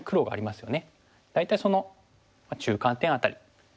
大体その中間点辺り。